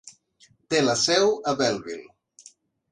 Té la seu a Bellville.